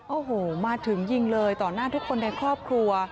โอ้โหมาถึงยิงเลยต่อหน้าทุกคนในครอบครัว